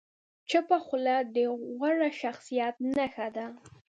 چپه خوله، د غوره شخصیت نښه ده.